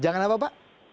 jangan apa pak